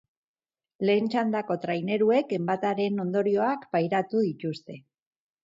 Lehen txandako traineruek enbataren ondorioak pairatu dituzte.